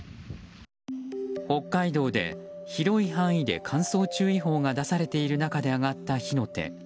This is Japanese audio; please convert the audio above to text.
北海道で広い範囲で乾燥注意報が出されている中で上がった火の手。